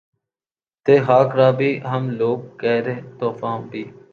تھے خاک راہ بھی ہم لوگ قہر طوفاں بھی